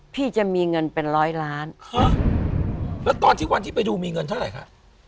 พี่จะมีเงินเป็นร้อยล้านฮะแล้วตอนที่วันที่ไปดูมีเงินเท่าไหร่คะ